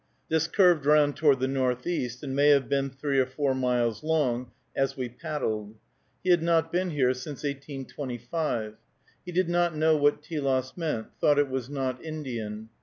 This curved round toward the northeast, and may have been three or four miles long as we paddled. He had not been here since 1825. He did not know what Telos meant; thought it was not Indian.